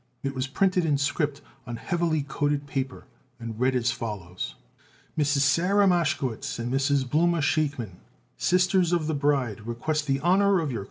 It was printed in script on heavily coated paper and read as follows: MRS. SARAH MASHKOWITZ & MRS. BLOOMA SHEIKMAN SISTERS OF THE BRIDE REQUEST THE HONOR OF YOUR CO.